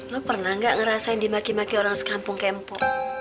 lo pernah gak ngerasain dimaki maki orang sekampung kempo